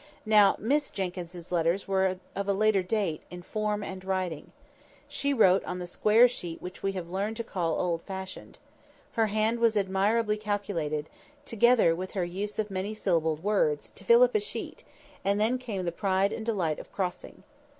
Now, Miss Jenkyns's letters were of a later date in form and writing. She wrote on the square sheet which we have learned to call old fashioned. Her hand was admirably calculated, together with her use of many syllabled words, to fill up a sheet, and then came the pride and delight of crossing.